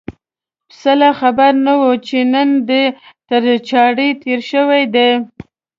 پسه لا خبر نه و چې نن ده ته چاړه تېره شوې ده.